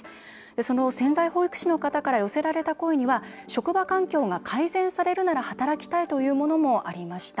その潜在保育士の方から寄せられた声には職場環境が改善されるなら働きたいというものもありました。